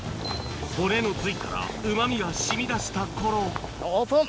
骨の髄からうまみが染み出した頃オープン！